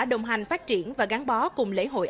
đồng hành phát triển và gắn bó cùng lễ hội